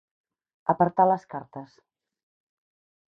Apartar les cartes.